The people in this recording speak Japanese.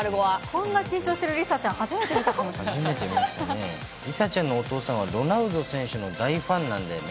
こんな緊張してる梨紗ちゃん、梨紗ちゃんのお父さんは、ロナウド選手の大ファンなんだよね。